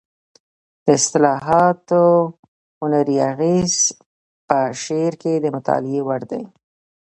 د اصطلاحاتو هنري اغېز په شعر کې د مطالعې وړ دی